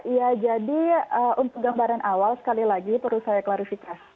ya jadi untuk gambaran awal sekali lagi perlu saya klarifikasi